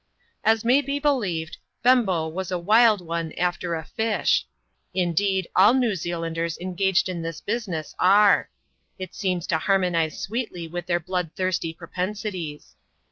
As may be believed, Bembo was a wild one after a fish; indeed, all New Zealanders engaged in this business are; it seems to harmonize sweetly with their blood thirsty pro pensities.